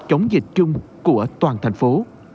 chống dịch chung của toàn thành phố